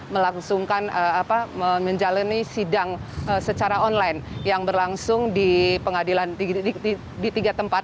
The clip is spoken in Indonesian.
melangsungkan menjalani sidang secara online yang berlangsung di pengadilan tinggi di tiga tempat